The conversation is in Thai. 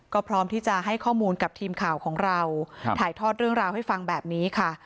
ก็พร้อมที่จะให้ข้อมูลกับทีมข่าวของเราถ่ายทอดเรื่องราวให้ฟังแบบนี้ค่ะ